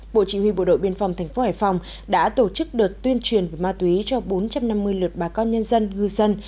bộ chỉ huy bộ đội biên phòng tp hải phòng đã tổ chức đợt tuyên truyền về ma túy cho bốn trăm năm mươi lượt bà con nhân dân ngư dân